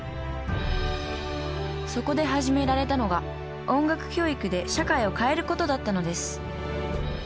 そこで始められたのが音楽教育で社会を変えることだったのです